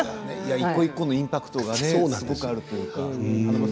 一個一個のインパクトがすごいあるというか。